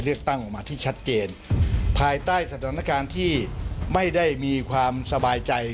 ออกมาที่ชัดเจนภายใต้สถานการณ์ที่ไม่ได้มีความสบายใจ